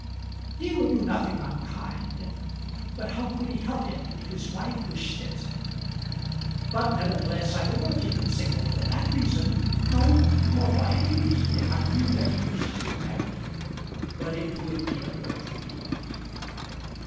"He would do nothing unkind; but how could he help it if his wife wished it? But nevertheless I would not keep him single for that reason; no, nor for any reason if I knew that he wished to marry. But it would be a blow to me."